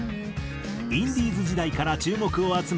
インディーズ時代から注目を集め